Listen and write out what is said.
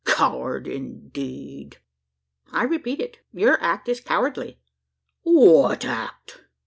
Coward indeed!" "I repeat it your act is cowardly." "What act?"